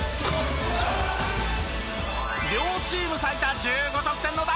両チーム最多１５得点の大活躍！